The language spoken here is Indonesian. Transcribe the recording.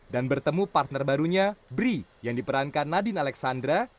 dan bertemu partner barunya bri yang diperankan nadine alexandra